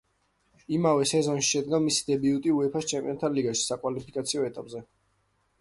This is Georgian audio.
იმავე სეზონში შედგა მისი დებიუტი უეფა-ს ჩემპიონთა ლიგაში, საკვალიფიკაციო ეტაპზე.